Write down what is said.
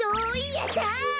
やった！